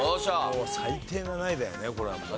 最低７位だよねこれはもう。